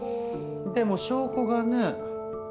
でも証拠がね。